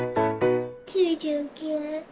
９９。